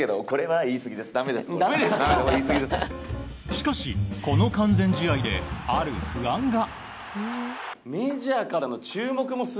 しかし、この完全試合である不安が。